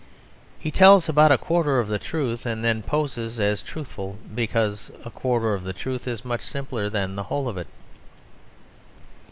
He tells about a quarter of the truth, and then poses as truthful because a quarter of the truth is much simpler than the whole of it.